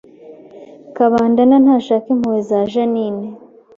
Kabandana ntashaka impuhwe za Jeaninne